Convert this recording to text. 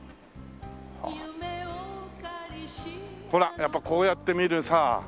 ほらやっぱこうやって見るさ